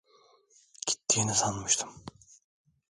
Gittiğini sanmıştım.